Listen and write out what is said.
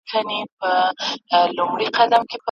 ټول اعمال یې له اسلام سره پیوند کړل